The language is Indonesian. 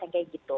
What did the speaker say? yang kayak gitu